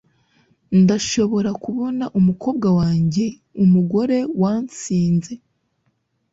ndashobora kubona umukobwa wanjye umugore watsinze